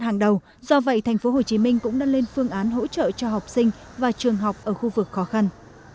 hàng đầu do vậy thành phố hồ chí minh cũng đã lên phương án hỗ trợ cho học sinh và trường học ở khu vực khó khăn